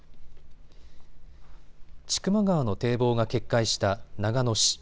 千曲川の堤防が決壊した長野市。